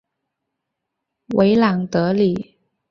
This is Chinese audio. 维朗德里。